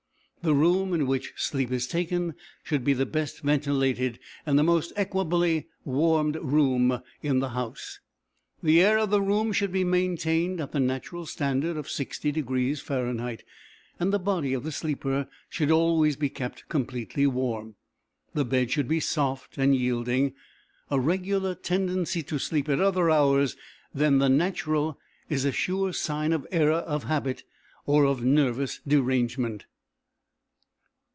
The room in which sleep is taken should be the best ventilated and the most equably warmed room in the house. The air of the room should be maintained at the natural standard of 60° Fah., and the body of the sleeper should always be kept completely warm. The bed should be soft and yielding. A regular tendency to sleep at other hours than the natural is a sure sign of error of habit or of nervous derangement.